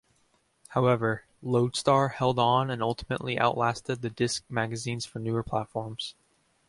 However, "Loadstar" held on, and ultimately outlasted the disk magazines for newer platforms.